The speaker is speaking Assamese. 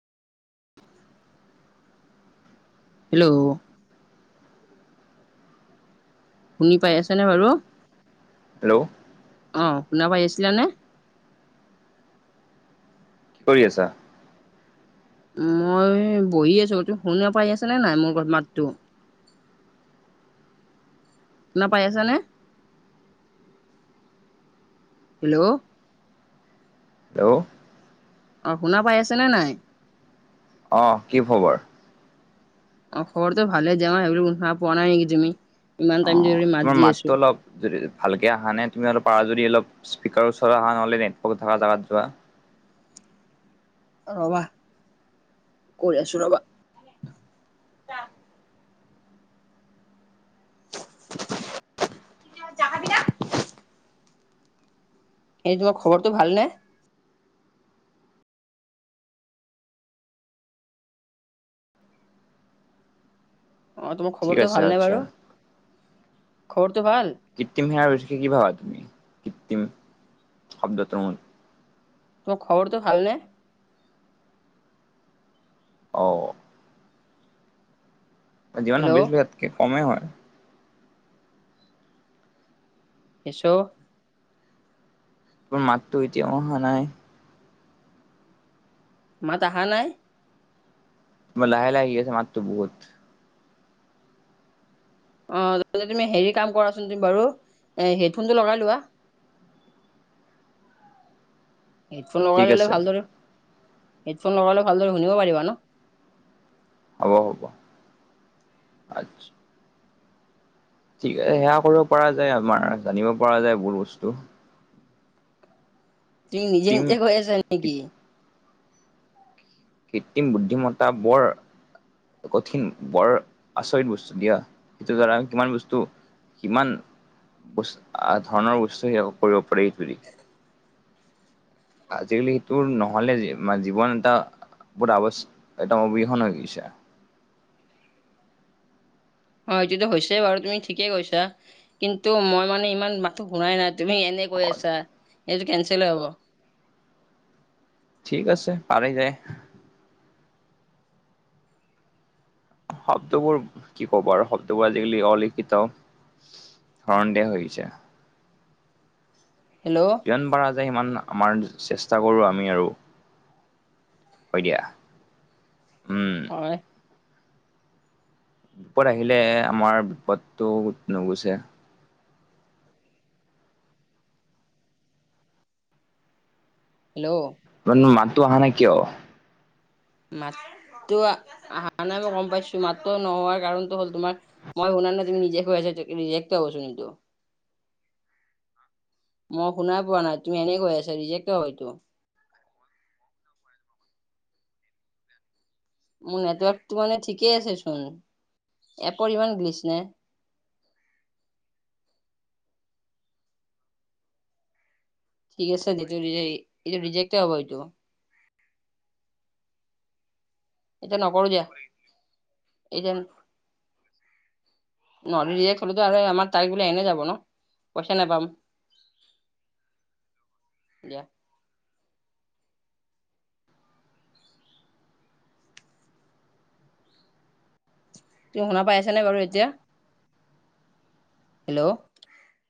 হেল্ল' শুনি পাই আছেনে বাৰু? হেল্ল' অঁ শুনাপাই আছিলানে? কি কৰি আছা। মই বহি আছোঁ তুমি শুনা পাই আছানে নাই মোৰ মাতটো? নাপাই [unintelligible] আছানে? হেল্ল' হেল্ল' অ শুনা পাই আছেনে নাই? অ কি খবৰ? অ খবৰটো ভালে যামা সেইবা [unintelligible] পোৱা নাই নেকি তুমি ইমান টাইম যে অ' মাত তোমাৰ দি মাতটো আছো। অলপ যদি ভালকে অহা নে তুমি আৰু পাৰা যদি অলপ স্পিকাৰ ওচৰ অহা নহ'লে নেটৰ্ক থাকা জেগাত যোৱা। ৰবা কৈ আছো ৰবা। অ [inaudible] [unintelligible] এই তোমাৰ খবৰটো ভাল নে? অ তোমাৰ ঠিক খবৰটো আছে ভাল নে আচ্ছা বাৰু? খবৰটো ভাল? কৃত্ৰিম সেৱা ৰষে [unintelligible] কি ভাবা তুমি কৃত্ৰিম শব্দ ত মল। তো খবৰটো ভালনে? অঁ। যিমান হেল্ল' ভাবিছিলো ইয়াতকে কমেই হয়৷ কিছো তোৰ মাততো এতিয়াও অহা নাই। মাত আহা নাই? কিবা লাহে-লাহে আহি আছে মাতটো বহুত। অ তুমি হেৰি কাম কৰাচোন তুমি বাৰু এ হেডফোন টো লগাই লোৱা। হেডফোন লগাই ঠিক ল'লে আছে ভালদৰে হেডফোন লগাই ললে ভালদৰে শুনিব পাৰিবা ন? হ'ব-হ'ব আচ্ছা ঠিক আছে সেয়া কৰিব পৰা যায় আমাৰ জানিব পৰা যায় বুৰ বস্তু। তুমি কৃত্ৰিম নিজে-নিজে কৈ আছা নেকি? কৃত্ৰিম বুদ্ধিমত্তা বৰ কঠিন বৰ আচৰিত বস্তু দিয়া সেইটো জানা কিমান বস্তু কিমান উচ [unintelligible] ধৰণৰ উচ্চ সেৱা কৰিব পাৰি বুলি। [inaudible] আজিকালি সেইটো নহলে জী মানে জীৱন এটা বহুত আৱশ্যে এটা অবিহন হৈ গৈছে। অ এইটো হৈছেই বাৰু তুমি ঠিকেই কৈছা। কিন্তু মই মানে ইমান মাতটো শুনাই নাই তুমি এনে কৈ আছা এইটো কেনচেলে হ'ব। ঠিক আছে পাৰে যায়। শব্দবোৰ কি কবা আৰু শব্দবোৰ আজিকালি অলিখিত। সন্দেহ হৈছে। হেল্লো'। যিমান পাৰা যায় সিমান আমাৰ চেষ্টা কৰোঁ আমি আৰু। হয় দিয়া উম [unintelligible] বিপদ আহিলে আমাৰ বিপদটো নুগুছে। হেল্লো'। তোমাৰ মাততো অহা নাই কিয়? মাততো অহা নাই মই গম পাইছো মাততো নোহোৱাৰ কাৰণটো হ'ল তোমাৰ মই শুনা নাই তুমি নিজে কৈ আছা ৰিজেক্টে হবচোন এইটো৷ মই শুনাই পোৱা নাই, তুমি এনেই কৈ আছে ৰিজেক্টে হয়তো। মোৰ নেটৱৰ্কটো মানে ঠিকেই আছেচোন, এপৰি মান গিলিছ নে? ঠিক আছে, এইটো ৰিজে এইটো ৰিজেক্ট হব এইটো। এতিয়া নকৰো দিয়া এতিয়া ন ৰীজেক্ট হলেতো আৰু আমাৰ তাৰিখ বোলে এনেই যাব ন, পইচা নাপাম। [inaudible] দিয়া। তুমি শুনা পাই আছা নে বাৰু এতিয়া? হেল্ল'?